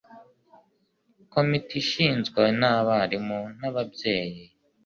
Komite igizwe n'abarimu n'ababyeyi.